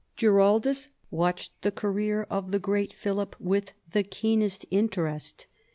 Girarldus watched the career of the great Philip with the keenest interest.